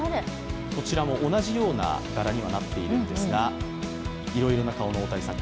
こちらも同じような柄にはなっているんですがいろいろな顔の大谷さん。